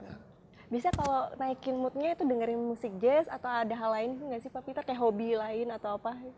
biasa kalau naikin moodnya itu dengerin musik jazz atau ada hal lain gitu gak sih pak peter